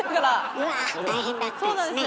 うわ大変だったですね。